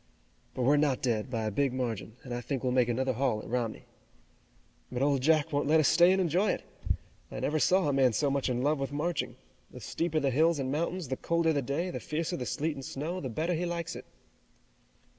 "But we're not dead, by a big margin, and I think we'll make another haul at Romney." "But Old Jack won't let us stay and enjoy it. I never saw a man so much in love with marching. The steeper the hills and mountains, the colder the day, the fiercer the sleet and snow, the better he likes it."